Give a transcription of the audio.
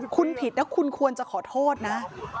คุณผิดนะคุณควรจะขอโทษนะ